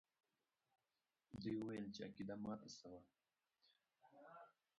دوی وویل چې عقیده ماته سوه.